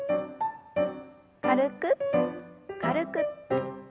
軽く軽く。